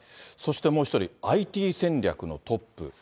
そしてもう１人、ＩＴ戦略のトップ。